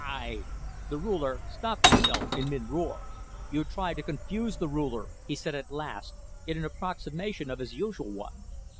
"I " The Ruler stopped himself in mid roar. "You try to confuse the Ruler," he said at last, in an approximation of his usual one.